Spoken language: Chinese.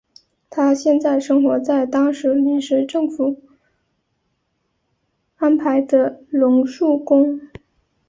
他现在生活在当时临时政府安排的龙树宫。